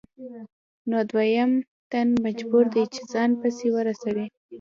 نو دویم تن مجبور دی چې ځان پسې ورسوي